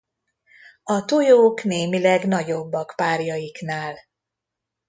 A tojók némileg nagyobbak párjaiknál.